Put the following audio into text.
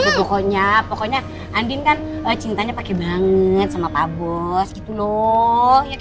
pokoknya pokoknya andin kan cintanya pakai banget sama pak bos gitu loh